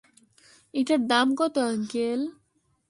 এটার দাম কত আংকেল?